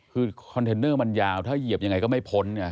คือคอนเทนเนอร์มันยาวถ้าเหยียบยังไงก็ไม่พ้นไง